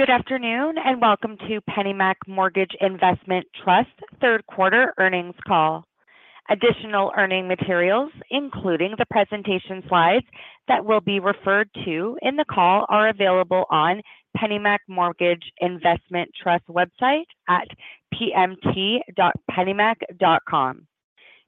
Good afternoon, and welcome to PennyMac Mortgage Investment Trust third quarter earnings call. Additional earnings materials, including the presentation slides that will be referred to in the call, are available on PennyMac Mortgage Investment Trust website at pmt.pennymac.com.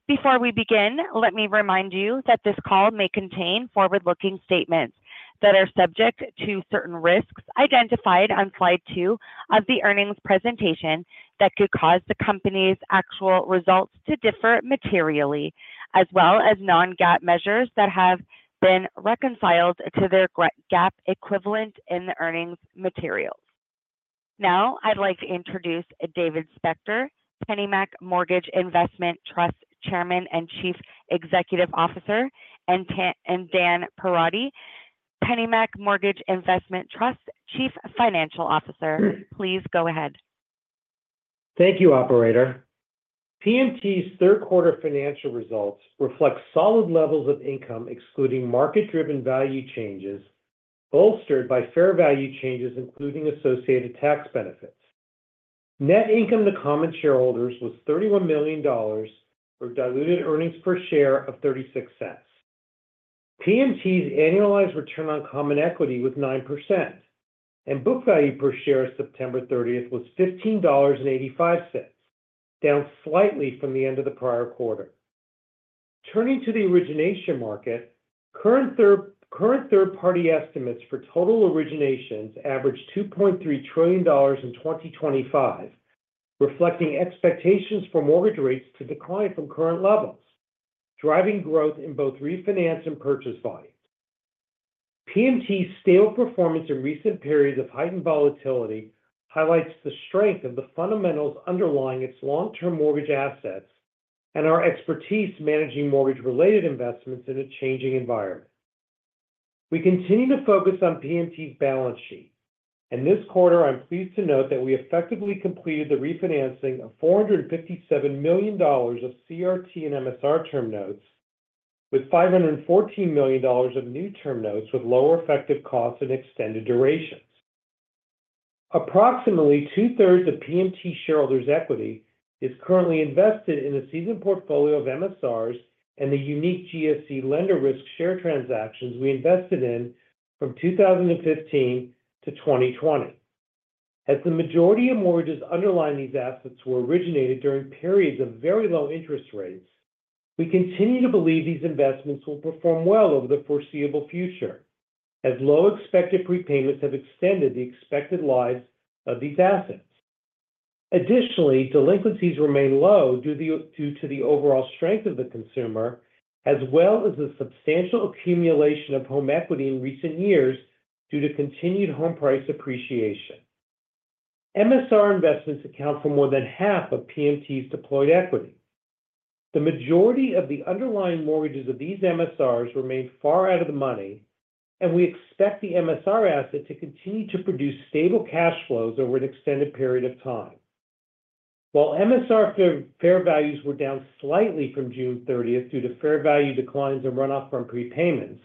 Before we begin, let me remind you that this call may contain forward-looking statements that are subject to certain risks identified on slide two of the earnings presentation that could cause the company's actual results to differ materially, as well as non-GAAP measures that have been reconciled to their GAAP equivalent in the earnings materials. Now, I'd like to introduce David Spector, PennyMac Mortgage Investment Trust Chairman and Chief Executive Officer, and Dan Perotti, PennyMac Mortgage Investment Trust Chief Financial Officer. Please go ahead. Thank you, operator. PMT's third quarter financial results reflect solid levels of income, excluding market-driven value changes, bolstered by fair value changes, including associated tax benefits. Net income to common shareholders was $31 million, or diluted earnings per share of $0.36. PMT's annualized return on common equity was 9%, and book value per share as of September 30th was $15.85, down slightly from the end of the prior quarter. Turning to the origination market, current third-party estimates for total originations averaged $2.3 trillion in 2025, reflecting expectations for mortgage rates to decline from current levels, driving growth in both refinance and purchase volumes. PMT's stable performance in recent periods of heightened volatility highlights the strength of the fundamentals underlying its long-term mortgage assets and our expertise managing mortgage-related investments in a changing environment. We continue to focus on PMT's balance sheet, and this quarter, I'm pleased to note that we effectively completed the refinancing of $457 million of CRT and MSR term notes, with $514 million of new term notes with lower effective costs and extended durations. Approximately two-thirds of PMT shareholders' equity is currently invested in a seasoned portfolio of MSRs and the unique GSE lender risk share transactions we invested in from 2015-2020. As the majority of mortgages underlying these assets were originated during periods of very low interest rates, we continue to believe these investments will perform well over the foreseeable future, as low expected prepayments have extended the expected lives of these assets. Additionally, delinquencies remain low due to the overall strength of the consumer, as well as the substantial accumulation of home equity in recent years due to continued home price appreciation. MSR investments account for more than half of PMT's deployed equity. The majority of the underlying mortgages of these MSRs remain far out of the money, and we expect the MSR asset to continue to produce stable cash flows over an extended period of time. While MSR fair values were down slightly from June 30th due to fair value declines and runoff from prepayments,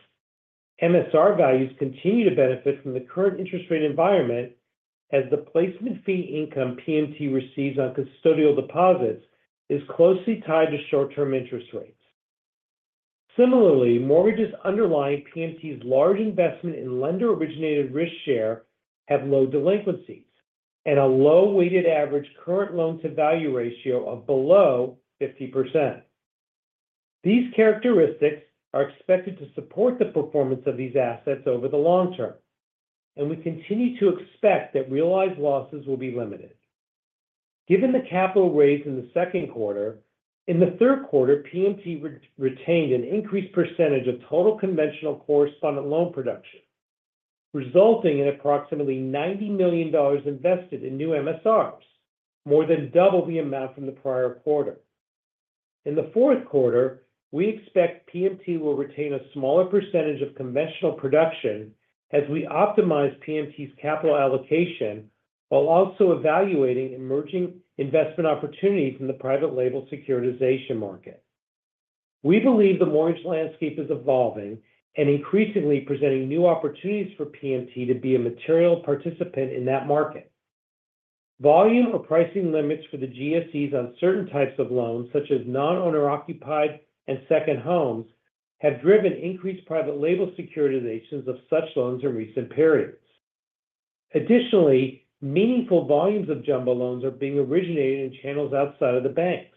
MSR values continue to benefit from the current interest rate environment, as the placement fee income PMT receives on custodial deposits is closely tied to short-term interest rates. Similarly, mortgages underlying PMT's large investment in lender-originated risk share have low delinquencies and a low weighted average current loan-to-value ratio of below 50%. These characteristics are expected to support the performance of these assets over the long term, and we continue to expect that realized losses will be limited. Given the capital raise in the second quarter, in the third quarter, PMT retained an increased percentage of total conventional correspondent loan production, resulting in approximately $90 million invested in new MSRs, more than double the amount from the prior quarter. In the fourth quarter, we expect PMT will retain a smaller percentage of conventional production as we optimize PMT's capital allocation while also evaluating emerging investment opportunities in the private label securitization market. We believe the mortgage landscape is evolving and increasingly presenting new opportunities for PMT to be a material participant in that market. Volume or pricing limits for the GSEs on certain types of loans, such as non-owner-occupied and second homes, have driven increased private label securitizations of such loans in recent periods. Additionally, meaningful volumes of jumbo loans are being originated in channels outside of the banks.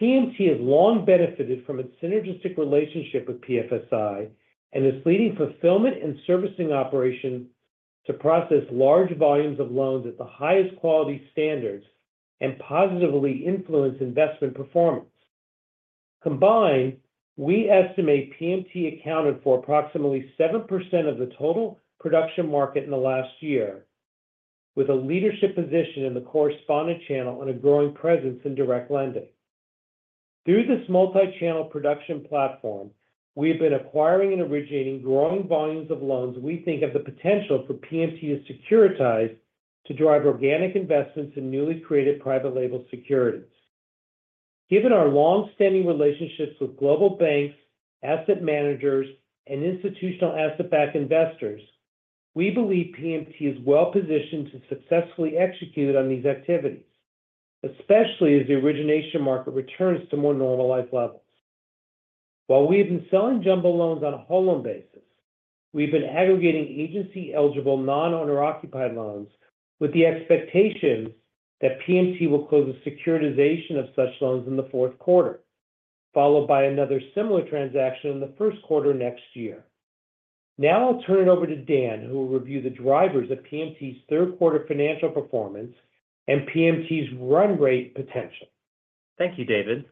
PMT has long benefited from its synergistic relationship with PFSI and its leading fulfillment and servicing operations to process large volumes of loans at the highest quality standards and positively influence investment performance. Combined, we estimate PMT accounted for approximately 7% of the total production market in the last year, with a leadership position in the correspondent channel and a growing presence in direct lending. Through this multi-channel production platform, we have been acquiring and originating growing volumes of loans we think have the potential for PMT to securitize to drive organic investments in newly created private label securities. Given our long-standing relationships with global banks, asset managers, and institutional asset-backed investors, we believe PMT is well-positioned to successfully execute on these activities, especially as the origination market returns to more normalized levels. While we have been selling jumbo loans on a whole loan basis, we've been aggregating agency-eligible non-owner-occupied loans with the expectation that PMT will close a securitization of such loans in the fourth quarter, followed by another similar transaction in the first quarter next year. Now I'll turn it over to Dan, who will review the drivers of PMT's third quarter financial performance and PMT's run rate potential. Thank you, David.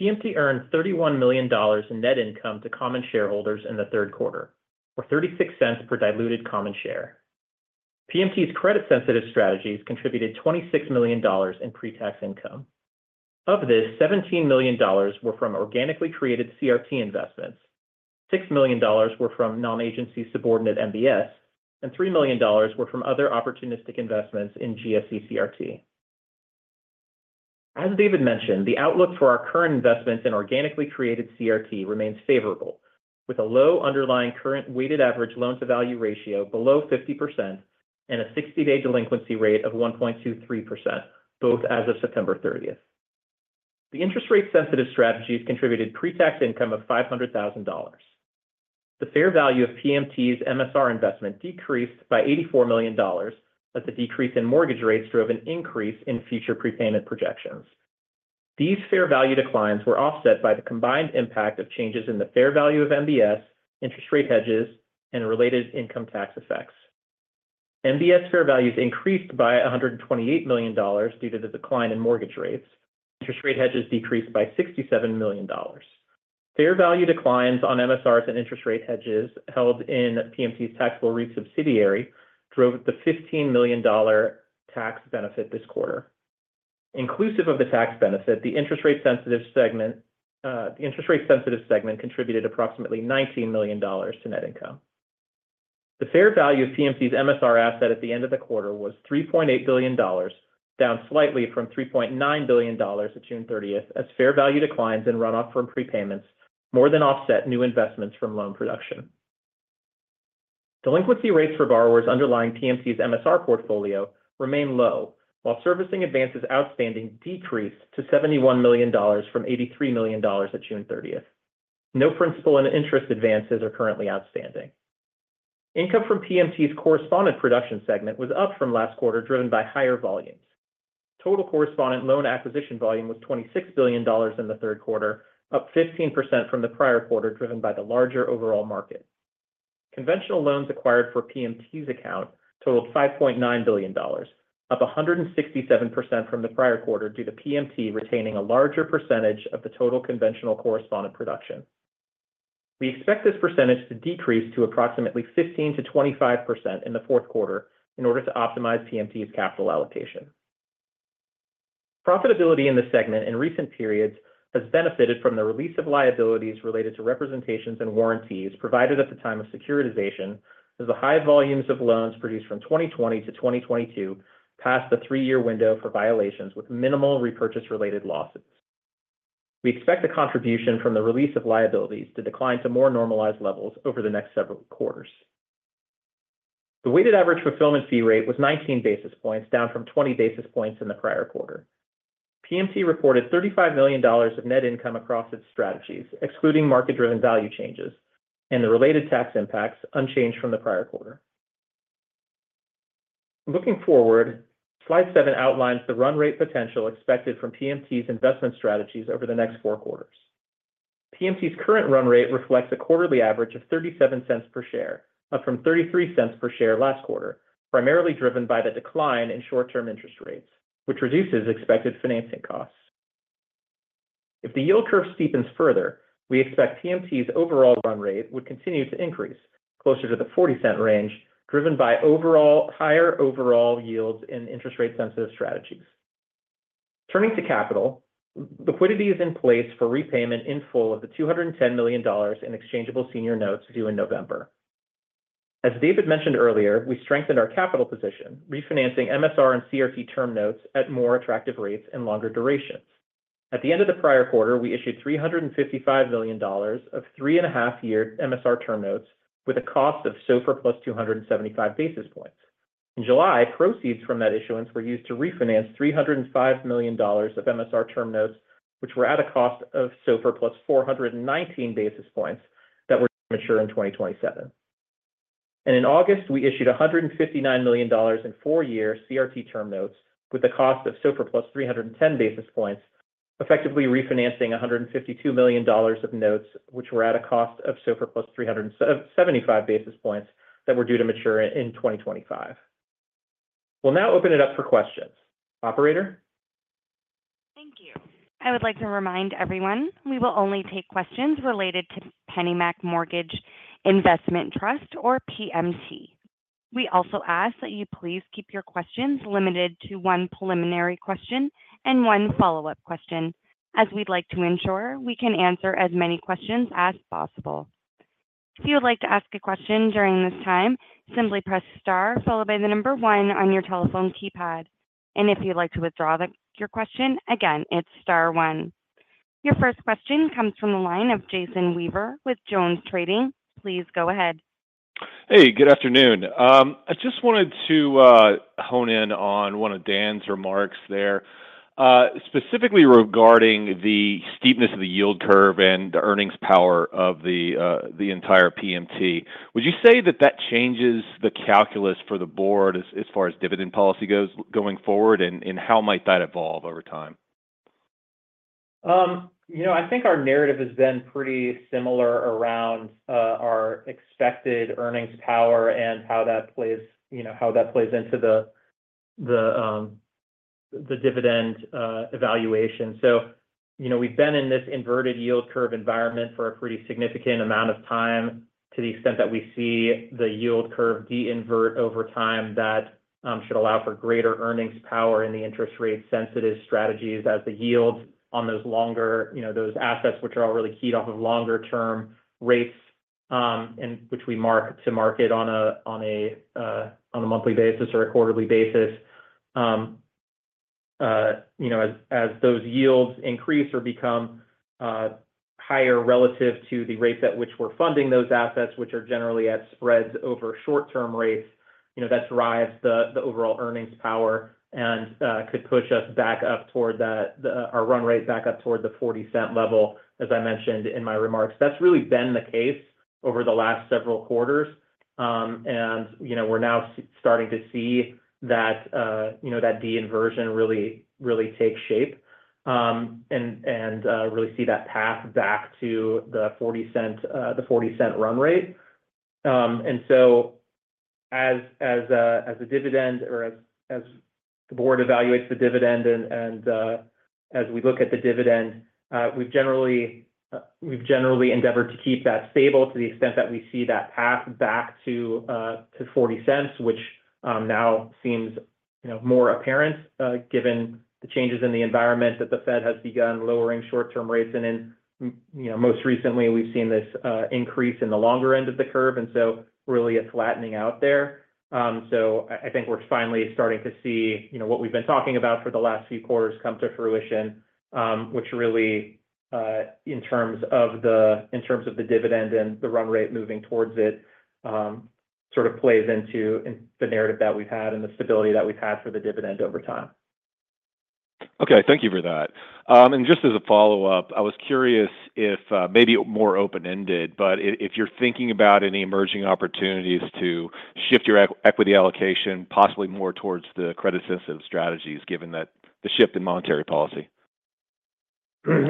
PMT earned $31 million in net income to common shareholders in the third quarter, or $0.36 per diluted common share. PMT's credit-sensitive strategies contributed $26 million in pre-tax income. Of this, $17 million were from organically created CRT investments, $6 million were from non-agency subordinate MBS, and $3 million were from other opportunistic investments in GSE CRT. As David mentioned, the outlook for our current investments in organically created CRT remains favorable, with a low underlying current weighted average loan-to-value ratio below 50% and a sixty-day delinquency rate of 1.23%, both as of September 30th. The interest rate-sensitive strategies contributed pre-tax income of $500,000. The fair value of PMT's MSR investment decreased by $84 million, as the decrease in mortgage rates drove an increase in future prepayment projections. These fair value declines were offset by the combined impact of changes in the fair value of MBS, interest rate hedges, and related income tax effects. MBS fair values increased by $128 million due to the decline in mortgage rates. Interest rate hedges decreased by $67 million. Fair value declines on MSRs and interest rate hedges held in PMT's taxable REIT subsidiary drove the $15 million tax benefit this quarter. Inclusive of the tax benefit, the interest rate-sensitive segment contributed approximately $19 million to net income. The fair value of PMT's MSR asset at the end of the quarter was $3.8 billion, down slightly from $3.9 billion at June 30th, as fair value declines in run-off from prepayments more than offset new investments from loan production. Delinquency rates for borrowers underlying PMT's MSR portfolio remain low, while servicing advances outstanding decreased to $71 million from $83 million at June 30th. No principal and interest advances are currently outstanding. Income from PMT's correspondent production segment was up from last quarter, driven by higher volumes. Total correspondent loan acquisition volume was $26 billion in the third quarter, up 15% from the prior quarter, driven by the larger overall market. Conventional loans acquired for PMT's account totaled $5.9 billion, up 167% from the prior quarter, due to PMT retaining a larger percentage of the total conventional correspondent production. We expect this percentage to decrease to approximately 15%-25% in the fourth quarter in order to optimize PMT's capital allocation. Profitability in this segment in recent periods has benefited from the release of liabilities related to representations and warranties provided at the time of securitization, as the high volumes of loans produced from 2020-2022 passed the three-year window for violations with minimal repurchase-related losses. We expect the contribution from the release of liabilities to decline to more normalized levels over the next several quarters. The weighted average fulfillment fee rate was 19 basis points, down from 20 basis points in the prior quarter. PMT reported $35 million of net income across its strategies, excluding market-driven value changes and the related tax impacts, unchanged from the prior quarter. Looking forward, slide seven outlines the run rate potential expected from PMT's investment strategies over the next four quarters. PMT's current run rate reflects a quarterly average of $0.37 per share, up from $0.33 per share last quarter, primarily driven by the decline in short-term interest rates, which reduces expected financing costs. If the yield curve steepens further, we expect PMT's overall run rate would continue to increase closer to the 40-cent range, driven by higher overall yields in interest rate-sensitive strategies. Turning to capital, liquidity is in place for repayment in full of the $210 million in exchangeable senior notes due in November. As David mentioned earlier, we strengthened our capital position, refinancing MSR and CRT term notes at more attractive rates and longer durations. At the end of the prior quarter, we issued $355 million of 3.5-year MSR term notes with a cost of SOFR plus 275 basis points. In July, proceeds from that issuance were used to refinance $305 million of MSR term notes, which were at a cost of SOFR plus four hundred and nineteen basis points that were to mature in 2027. In August, we issued $159 million in four-year CRT term notes with a cost of SOFR plus three hundred and seventy-five basis points, effectively refinancing $152 million of notes, which were at a cost of SOFR plus three hundred and seventy-five basis points that were due to mature in 2025. We'll now open it up for questions. Operator? Thank you. I would like to remind everyone, we will only take questions related to PennyMac Mortgage Investment Trust or PMT. We also ask that you please keep your questions limited to one preliminary question and one follow-up question, as we'd like to ensure we can answer as many questions as possible. If you would like to ask a question during this time, simply press star followed by the number one on your telephone keypad. And if you'd like to withdraw your question, again, it's star one. Your first question comes from the line of Jason Weaver with JonesTrading. Please go ahead. Hey, good afternoon. I just wanted to hone in on one of Dan's remarks there, specifically regarding the steepness of the yield curve and the earnings power of the entire PMT. Would you say that that changes the calculus for the board as far as dividend policy goes going forward? And how might that evolve over time? You know, I think our narrative has been pretty similar around our expected earnings power and how that plays, you know, how that plays into the dividend evaluation. So, you know, we've been in this inverted yield curve environment for a pretty significant amount of time. To the extent that we see the yield curve de-invert over time, that should allow for greater earnings power in the interest rate-sensitive strategies as the yields on those longer-you know, those assets, which are all really keyed off of longer term rates, and which we mark to market on a monthly basis or a quarterly basis. You know, as those yields increase or become higher relative to the rate at which we're funding those assets, which are generally at spreads over short-term rates, you know, that drives the overall earnings power and could push us back up toward our run rate back up toward $0.40 level, as I mentioned in my remarks. That's really been the case over the last several quarters, and you know, we're now starting to see that, you know, that de-inversion really take shape, and really see that path back to the $0.40, the $0.40 run rate. And so as the board evaluates the dividend and as we look at the dividend, we've generally endeavored to keep that stable to the extent that we see that path back to $0.40, which now seems, you know, more apparent given the changes in the environment, that the Fed has begun lowering short-term rates. And you know, most recently, we've seen this increase in the longer end of the curve, and so really it's flattening out there. I think we're finally starting to see, you know, what we've been talking about for the last few quarters come to fruition, which really, in terms of the dividend and the run rate moving towards it, sort of plays into the narrative that we've had and the stability that we've had for the dividend over time. Okay. Thank you for that, and just as a follow-up, I was curious if, maybe more open-ended, but if you're thinking about any emerging opportunities to shift your equity allocation, possibly more towards the credit-sensitive strategies, given that the shift in monetary policy?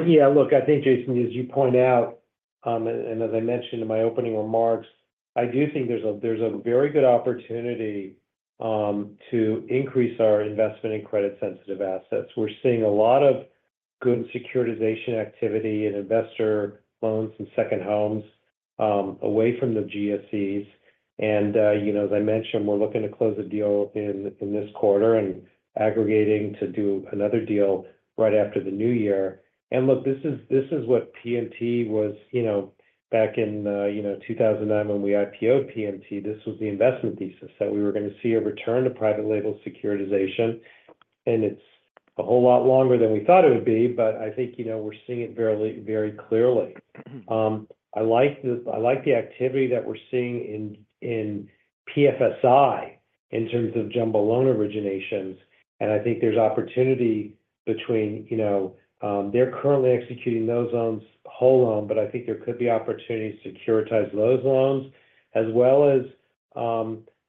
Yeah, look, I think, Jason, as you point out, and as I mentioned in my opening remarks, I do think there's a very good opportunity to increase our investment in credit-sensitive assets. We're seeing a lot of good securitization activity in investor loans and second homes, away from the GSEs. And, you know, as I mentioned, we're looking to close a deal in this quarter and aggregating to do another deal right after the new year. And look, this is what PMT was, you know, back in, you know, 2009 when we IPO'd PMT. This was the investment thesis, that we were going to see a return to private label securitization, and it's a whole lot longer than we thought it would be, but I think, you know, we're seeing it very, very clearly. I like the activity that we're seeing in PFSI in terms of jumbo loan originations, and I think there's opportunity between, you know... They're currently executing those loans whole loan, but I think there could be opportunities to securitize those loans as well as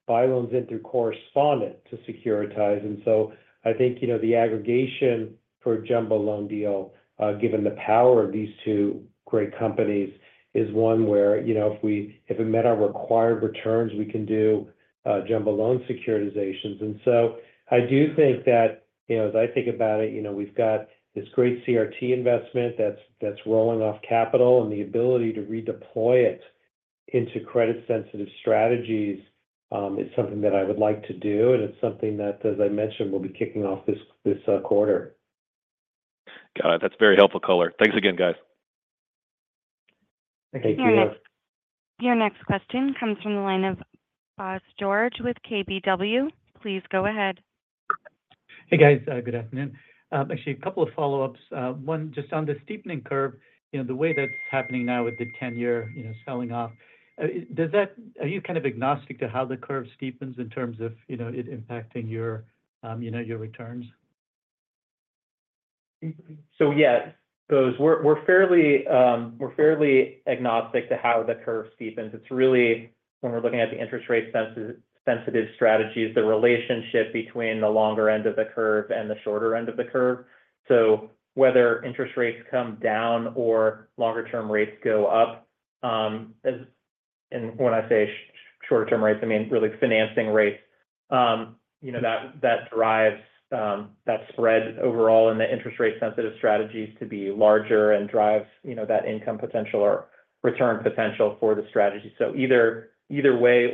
buy loans in through correspondent to securitize. And so I think, you know, the aggregation for a jumbo loan deal, given the power of these two great companies, is one where, you know, if we met our required returns, we can do jumbo loan securitizations. I do think that, you know, as I think about it, you know, we've got this great CRT investment that's rolling off capital, and the ability to redeploy it into credit-sensitive strategies is something that I would like to do, and it's something that, as I mentioned, we'll be kicking off this quarter. Got it. That's very helpful color. Thanks again, guys. Thank you. Your next question comes from the line of Bose George with KBW. Please go ahead. Hey, guys. Good afternoon. Actually, a couple of follow-ups. One, just on the steepening curve, you know, the way that's happening now with the ten-year, you know, selling off, are you kind of agnostic to how the curve steepens in terms of, you know, it impacting your, you know, your returns? So, yeah, those. We're fairly agnostic to how the curve steepens. It's really when we're looking at the interest rate-sensitive strategies, the relationship between the longer end of the curve and the shorter end of the curve. So whether interest rates come down or longer-term rates go up, and when I say shorter-term rates, I mean really financing rates. You know, that drives that spread overall in the interest rate-sensitive strategies to be larger and drives, you know, that income potential or return potential for the strategy. So either way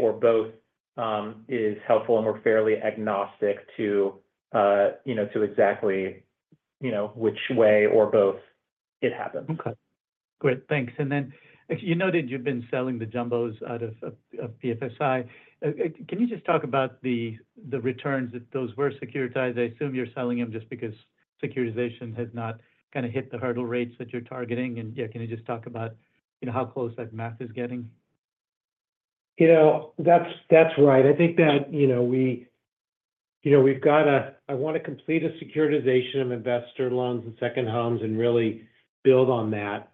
or both is helpful, and we're fairly agnostic to, you know, to exactly-... you know, which way or both it happens. Okay, great. Thanks. And then you noted you've been selling the jumbos out of PFSI. Can you just talk about the returns, if those were securitized? I assume you're selling them just because securitization has not kind of hit the hurdle rates that you're targeting. And, yeah, can you just talk about, you know, how close that math is getting? You know, that's right. I think that, you know, I want to complete a securitization of investor loans and second homes and really build on that.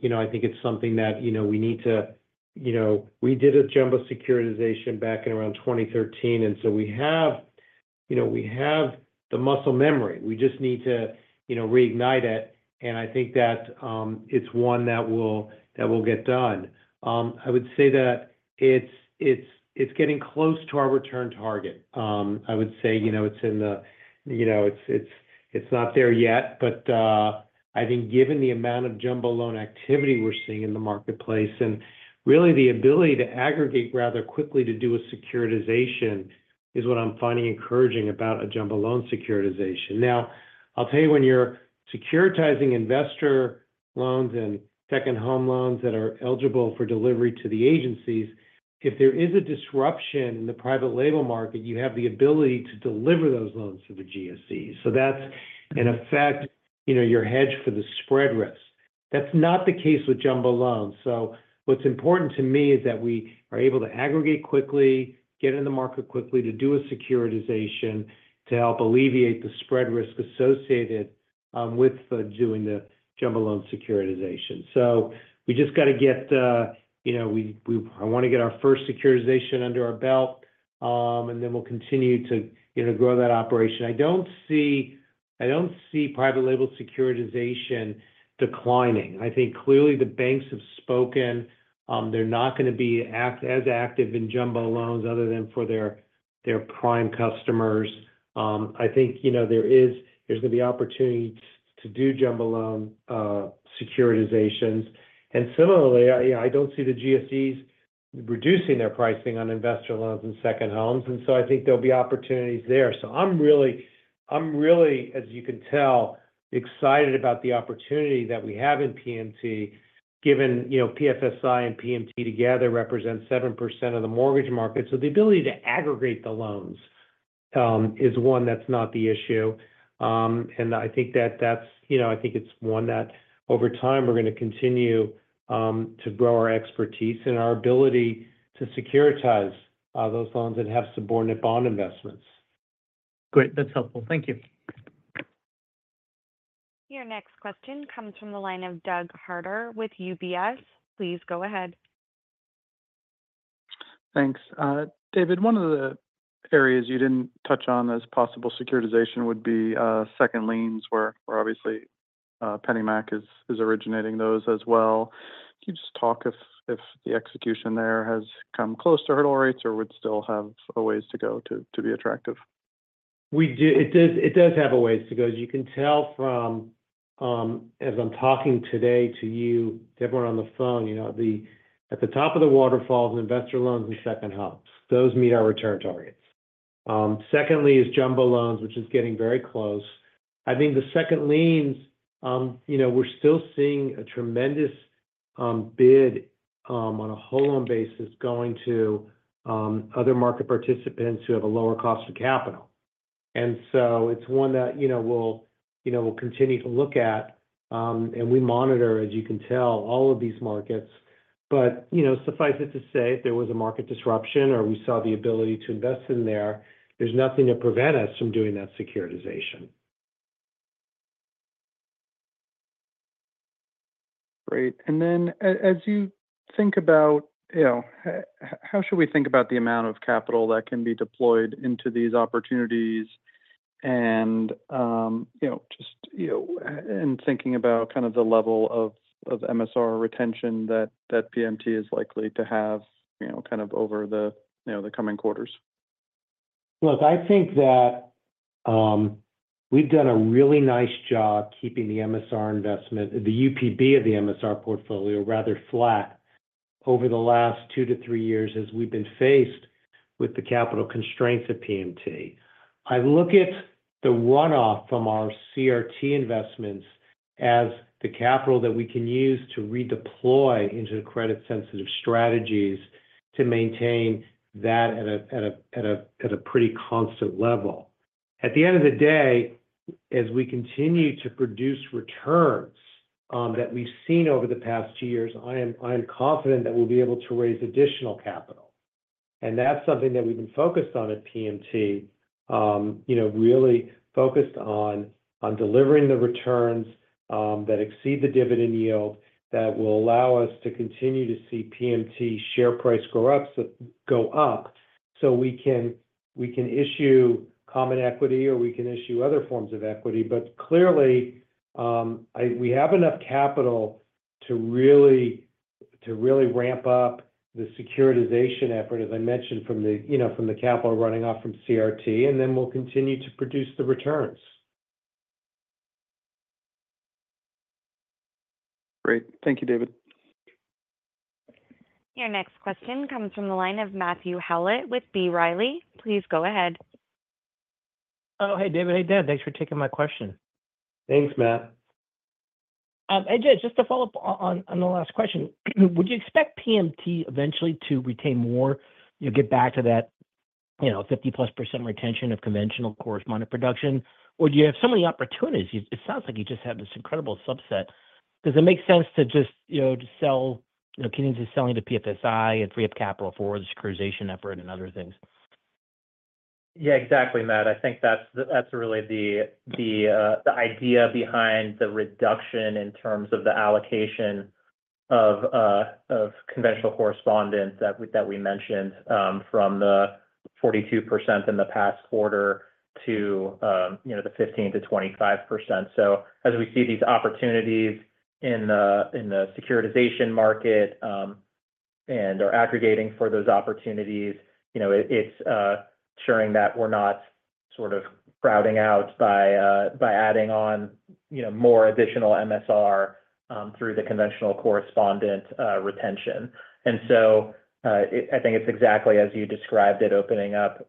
You know, I think it's something that, you know, we need to, you know. We did a jumbo securitization back in around 2013, and so we have, you know, the muscle memory. We just need to, you know, reignite it, and I think that, it's one that will get done. I would say that it's getting close to our return target. I would say, you know, it's not there yet, but I think given the amount of jumbo loan activity we're seeing in the marketplace, and really the ability to aggregate rather quickly to do a securitization, is what I'm finding encouraging about a jumbo loan securitization. Now, I'll tell you, when you're securitizing investor loans and second home loans that are eligible for delivery to the agencies, if there is a disruption in the private label market, you have the ability to deliver those loans to the GSEs. So that's, in effect, you know, your hedge for the spread risk. That's not the case with jumbo loans. So what's important to me is that we are able to aggregate quickly, get in the market quickly to do a securitization, to help alleviate the spread risk associated with doing the jumbo loan securitization. So we just got to get you know, I want to get our first securitization under our belt, and then we'll continue to, you know, grow that operation. I don't see private label securitization declining. I think clearly the banks have spoken. They're not going to be as active in jumbo loans other than for their prime customers. I think, you know, there's going to be opportunity to do jumbo loan securitizations. And similarly, I don't see the GSEs reducing their pricing on investor loans and second homes, and so I think there'll be opportunities there. So I'm really, as you can tell, excited about the opportunity that we have in PMT, given, you know, PFSI and PMT together represent 7% of the mortgage market. So the ability to aggregate the loans is one that's not the issue. And I think that that's, you know, I think it's one that over time, we're going to continue to grow our expertise and our ability to securitize those loans and have subordinate bond investments. Great. That's helpful. Thank you. Your next question comes from the line of Doug Harter with UBS. Please go ahead. Thanks. David, one of the areas you didn't touch on as possible securitization would be second liens, where, obviously, PennyMac is originating those as well. Can you just talk if the execution there has come close to hurdle rates or would still have a ways to go to be attractive? It does, it does have a ways to go. As you can tell from, as I'm talking today to you, everyone on the phone, you know, at the top of the waterfalls, investor loans and second homes, those meet our return targets. Secondly is jumbo loans, which is getting very close. I think the second liens, you know, we're still seeing a tremendous bid, on a whole loan basis going to, other market participants who have a lower cost of capital. And so it's one that, you know, we'll continue to look at, and we monitor, as you can tell, all of these markets. But, you know, suffice it to say, if there was a market disruption or we saw the ability to invest in there, there's nothing to prevent us from doing that securitization. Great. And then as you think about, you know, how should we think about the amount of capital that can be deployed into these opportunities and, you know, just, you know, and thinking about kind of the level of MSR retention that PMT is likely to have, you know, kind of over the, you know, the coming quarters? Look, I think that, we've done a really nice job keeping the MSR investment, the UPB of the MSR portfolio, rather flat over the last two to three years as we've been faced with the capital constraints of PMT. I look at the runoff from our CRT investments as the capital that we can use to redeploy into the credit-sensitive strategies to maintain that at a pretty constant level. At the end of the day, as we continue to produce returns that we've seen over the past two years, I am confident that we'll be able to raise additional capital. That's something that we've been focused on at PMT, you know, really focused on delivering the returns that exceed the dividend yield, that will allow us to continue to see PMT share price go up, so we can issue common equity, or we can issue other forms of equity. But clearly, we have enough capital to really ramp up the securitization effort, as I mentioned, from the capital running off from CRT, and then we'll continue to produce the returns.... Great. Thank you, David. Your next question comes from the line of Matthew Howlett with B. Riley. Please go ahead. Oh, hey, David. Hey, Dan. Thanks for taking my question. Thanks, Matt. Hey, Dan, just to follow up on the last question, would you expect PMT eventually to retain more, you know, get back to that, you know, 50-plus% retention of conventional correspondent production? Or do you have so many opportunities, it sounds like you just have this incredible subset. Does it make sense to just, you know, just sell, you know, continuing to selling to PFSI and free up capital for the securitization effort and other things? Yeah, exactly, Matt. I think that's the- that's really the idea behind the reduction in terms of the allocation of conventional correspondent that we mentioned from the 42% in the past quarter to you know the 15%-25%. So as we see these opportunities in the securitization market and are aggregating for those opportunities, you know, it's ensuring that we're not sort of crowding out by adding on you know more additional MSR through the conventional correspondent retention. And so it- I think it's exactly as you described it, opening up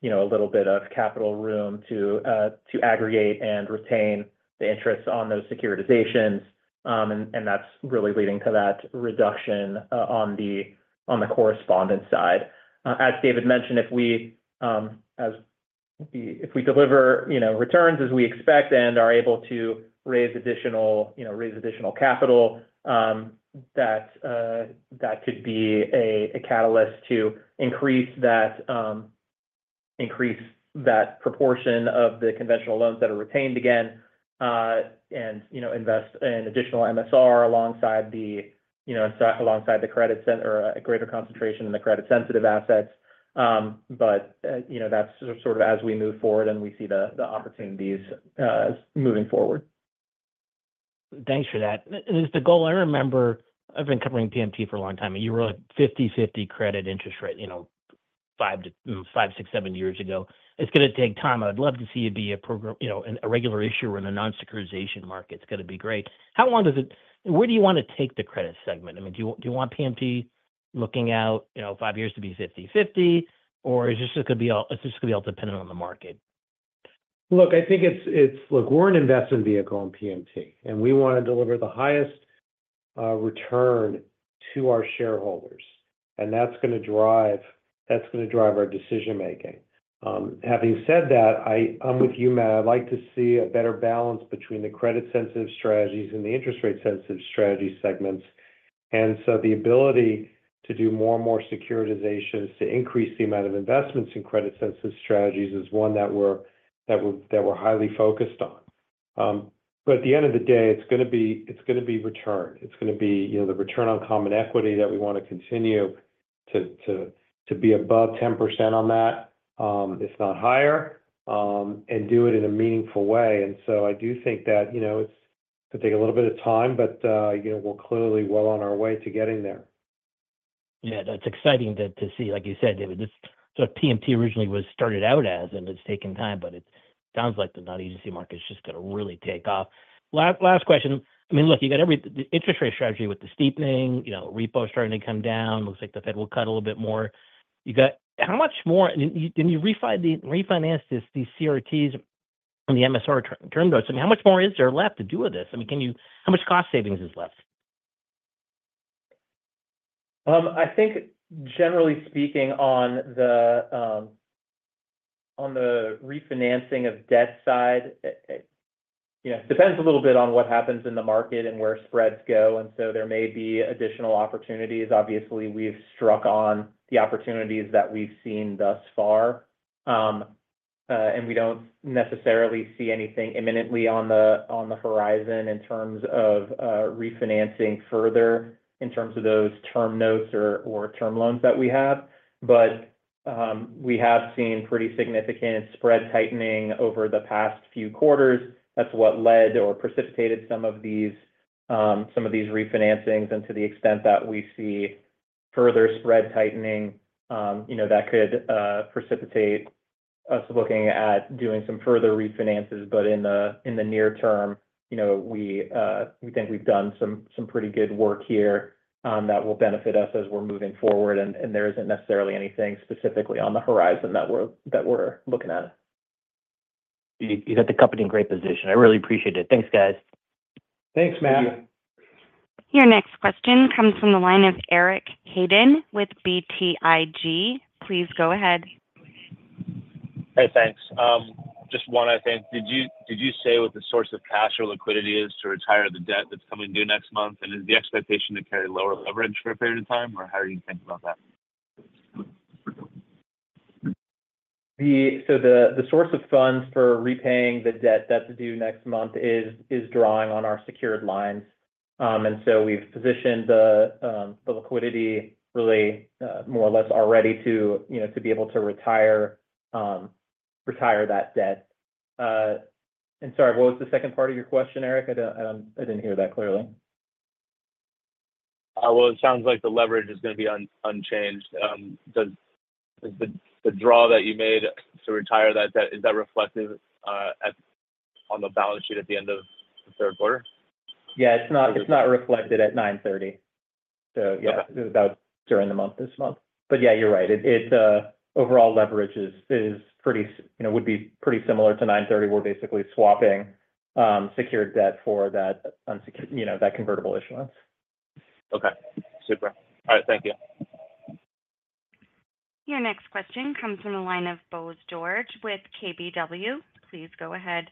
you know a little bit of capital room to aggregate and retain the interest on those securitizations. And that's really leading to that reduction on the correspondent side. As David mentioned, if we deliver, you know, returns as we expect and are able to raise additional, you know, capital, that could be a catalyst to increase that proportion of the conventional loans that are retained again, and, you know, invest in additional MSR alongside the credit-sensitive or a greater concentration in the credit-sensitive assets, but, you know, that's sort of as we move forward and we see the opportunities moving forward. Thanks for that. And is the goal... I remember, I've been covering PMT for a long time, and you were a 50/50 credit interest rate, you know, five, six, seven years ago. It's gonna take time. I'd love to see it be a program, you know, a regular issuer in a non-securitization market. It's gonna be great. How long does it-- where do you want to take the credit segment? I mean, do you want PMT looking out, you know, five years to be 50/50, or is this just gonna be all dependent on the market? Look, I think it's look, we're an investment vehicle in PMT, and we want to deliver the highest return to our shareholders, and that's gonna drive our decision making. Having said that, I'm with you, Matt. I'd like to see a better balance between the credit-sensitive strategies and the interest rate-sensitive strategy segments. And so the ability to do more and more securitizations to increase the amount of investments in credit-sensitive strategies is one that we're highly focused on. But at the end of the day, it's gonna be return. It's gonna be, you know, the return on common equity that we want to continue to be above 10% on that, if not higher, and do it in a meaningful way. And so I do think that, you know, it's gonna take a little bit of time, but, you know, we're clearly well on our way to getting there. Yeah, that's exciting to see. Like you said, David, this sort of PMT originally was started out as, and it's taken time, but it sounds like the non-agency market is just gonna really take off. Last question. I mean, look, you got the interest rate strategy with the steepening, you know, repo starting to come down. Looks like the Fed will cut a little bit more. You got how much more and you refinance these CRTs and the MSR term notes. I mean, how much more is there left to do with this? I mean, can you how much cost savings is left? I think generally speaking, on the refinancing of debt side, it you know depends a little bit on what happens in the market and where spreads go, and so there may be additional opportunities. Obviously, we've struck on the opportunities that we've seen thus far. And we don't necessarily see anything imminently on the horizon in terms of refinancing further, in terms of those term notes or term loans that we have. But we have seen pretty significant spread tightening over the past few quarters. That's what led or precipitated some of these refinancings. And to the extent that we see further spread tightening, you know that could precipitate us looking at doing some further refinances. But in the near term, you know, we think we've done some pretty good work here that will benefit us as we're moving forward, and there isn't necessarily anything specifically on the horizon that we're looking at. You got the company in great position. I really appreciate it. Thanks, guys. Thanks, Matt. Your next question comes from the line of Eric Hagen with BTIG. Please go ahead. Hey, thanks. Just one, I think. Did you, did you say what the source of cash or liquidity is to retire the debt that's coming due next month? And is the expectation to carry lower leverage for a period of time, or how are you thinking about that? So the source of funds for repaying the debt that's due next month is drawing on our secured lines. And so we've positioned the liquidity really more or less already to, you know, to be able to retire that debt. And sorry, what was the second part of your question, Eric? I didn't hear that clearly.... well, it sounds like the leverage is gonna be unchanged. Is the draw that you made to retire that reflected on the balance sheet at the end of the third quarter? Yeah, it's not reflected at nine thirty, so yeah, about during the month, this month, but yeah, you're right. Overall leverage is pretty similar, you know, would be pretty similar to nine thirty. We're basically swapping secured debt for that unsecured, you know, that convertible issuance. Okay, super. All right, thank you. Your next question comes from the line of Bose George with KBW. Please go ahead.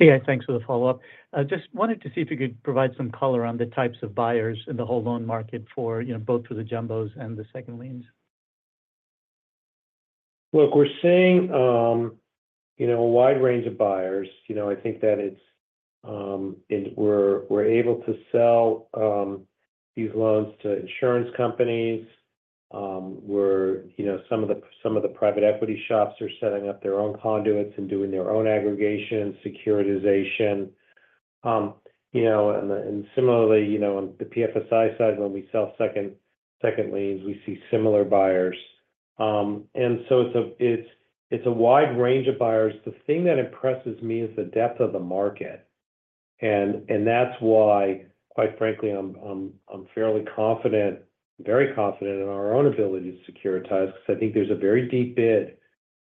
Hey, guys. Thanks for the follow-up. I just wanted to see if you could provide some color on the types of buyers in the whole loan market for, you know, both for the jumbos and the second liens. Look, we're seeing, you know, a wide range of buyers. You know, I think that it's, and we're able to sell these loans to insurance companies. You know, some of the private equity shops are setting up their own conduits and doing their own aggregation, securitization. You know, and similarly, you know, on the PFSI side, when we sell second liens, we see similar buyers. And so it's a wide range of buyers. The thing that impresses me is the depth of the market, and that's why, quite frankly, I'm fairly confident, very confident in our own ability to securitize because I think there's a very deep bid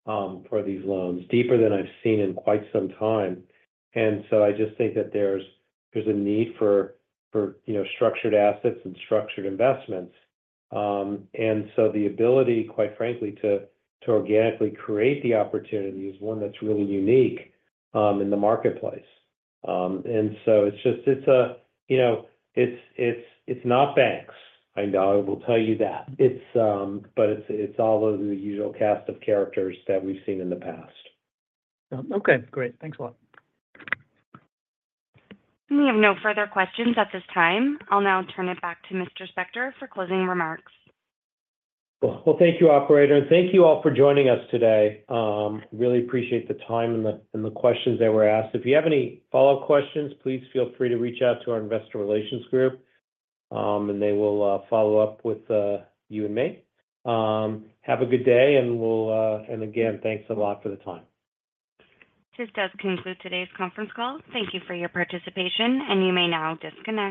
for these loans, deeper than I've seen in quite some time. And so I just think that there's a need for you know structured assets and structured investments. And so the ability quite frankly to organically create the opportunity is one that's really unique in the marketplace. And so it's just you know it's not banks. I know I will tell you that. It's but it's all of the usual cast of characters that we've seen in the past. Okay. Great. Thanks a lot. We have no further questions at this time. I'll now turn it back to Mr. Spector for closing remarks. Well, well, thank you, operator, and thank you all for joining us today. Really appreciate the time and the questions that were asked. If you have any follow-up questions, please feel free to reach out to our investor relations group, and they will follow up with you and me. Have a good day, and we'll... and again, thanks a lot for the time. This does conclude today's conference call. Thank you for your participation, and you may now disconnect.